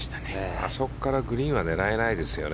あそこからグリーンは狙えないですね。